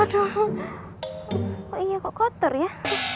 aduh kok kotor ya